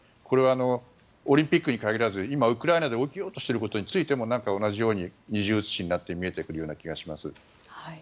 これはオリンピックに限らず今、ウクライナで起きようとしていることについても二重映しいなって見えてくる気がします。